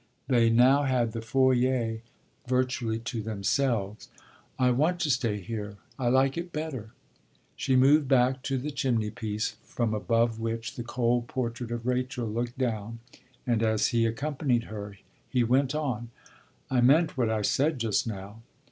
They now had the foyer virtually to themselves. "I want to stay here. I like it better," She moved back to the chimney piece, from above which the cold portrait of Rachel looked down, and as he accompanied her he went on: "I meant what I said just now."